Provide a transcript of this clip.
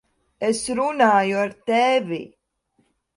Es runāju ar tevi!